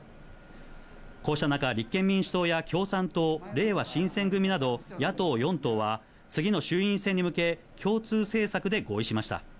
こうした中、立憲民主党や共産党、れいわ新選組など、野党４党は、次の衆院選に向け、共通政策で合意しました。